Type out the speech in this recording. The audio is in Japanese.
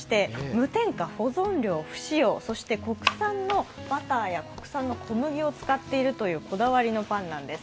無添加、保存料不使用、そして国産のバターや国産の小麦を使っているという、こだわりのパンなんです。